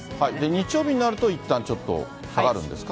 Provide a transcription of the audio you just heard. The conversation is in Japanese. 日曜日になると、いったんちょっと下がるんですか？